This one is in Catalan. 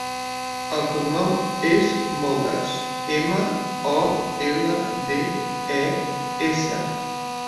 El cognom és Moldes: ema, o, ela, de, e, essa.